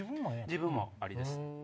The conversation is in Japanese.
自分もありです。